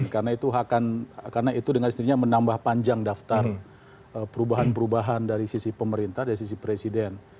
karena itu akan karena itu dengan istrinya menambah panjang daftar perubahan perubahan dari sisi pemerintah dari sisi presiden